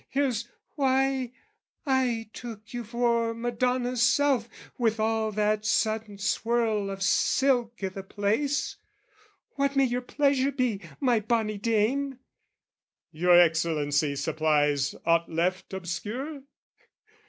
"Here's...why, I took you for Madonna's self "With all that sudden swirl of silk i' the place! "What may your pleasure be, my bonny dame?" Your Excellency supplies aught left obscure?